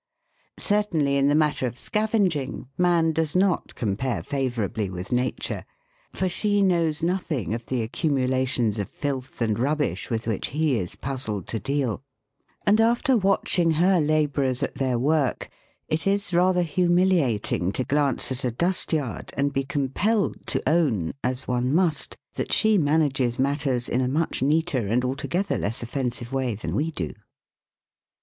Certainly, in the matter of scavenging, man does not compare favourably with Nature, for she knows nothing of the accumulations of filth and rubbish with which he is puzzled to deal ; and, after watching her labourers at their work, it is rather humiliating to glance at a dust yard and be 268 THE WORLD'S LUMBER ROOM. compelled to own, as one must, that she manages matters in a much neater and altogether less offensive way than we do.